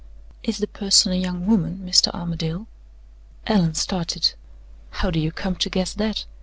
"Is the person a young woman, Mr. Armadale?" Allan started. "How do you come to guess that?"